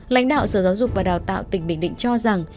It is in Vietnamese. lãnh đạo sở giáo dục và đào tạo tỉnh bình định cho rằng